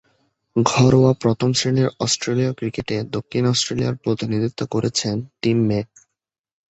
ঘরোয়া প্রথম-শ্রেণীর অস্ট্রেলীয় ক্রিকেটে দক্ষিণ অস্ট্রেলিয়ার প্রতিনিধিত্ব করেছেন টিম মে।